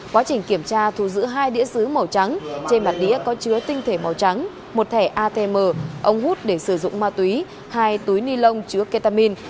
quá trình kiểm tra thu giữ hai đĩa xứ màu trắng trên mặt đĩa có chứa tinh thể màu trắng một thẻ atm ống hút để sử dụng ma túy hai túi ni lông chứa ketamin